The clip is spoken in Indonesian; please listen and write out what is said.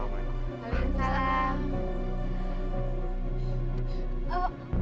terima kasih ya sar